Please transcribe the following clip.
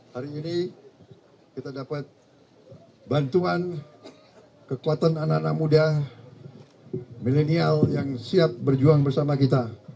hari ini kita dapat bantuan kekuatan anak anak muda milenial yang siap berjuang bersama kita